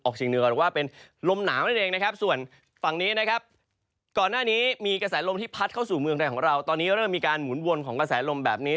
ก่อนหน้านี้มีกระแสลมที่พัดเข้าสู่เมืองไหนของเราตอนนี้เริ่มมีการหมุนวนของกระแสลมแบบนี้